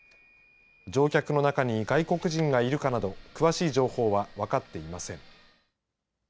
乗客の中に外国人がいるかなど詳しい情報は分かっていません。